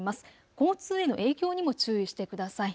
交通への影響にも注意してください。